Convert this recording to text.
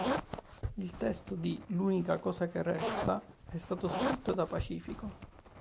Il testo di "L'unica cosa che resta" è stato scritto da Pacifico.